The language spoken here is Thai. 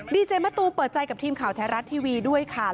ดีเจมะตูเปิดใจกับทีมข่าวไทยรัฐทีวีด้วยค่ะ